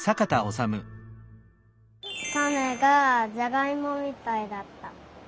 たねがじゃがいもみたいだった。